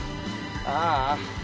ああ。